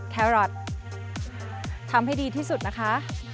แครอททำให้ดีที่สุดนะคะ